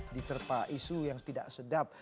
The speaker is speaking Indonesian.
di terpa isu yang tidak sedap